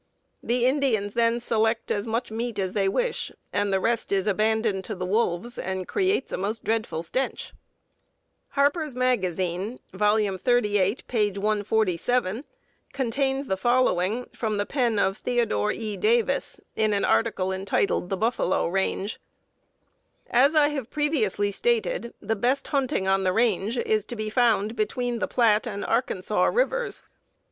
The Indians then select as much meat as they wish, and the rest is abandoned to the wolves, and creates a most dreadful stench." Harper's Magazine, volume 38, page 147, contains the following from the pen of Theo. E. Davis, in an article entitled "The Buffalo Range:" "As I have previously stated, the best hunting on the range is to be found between the Platte and Arkansas Rivers.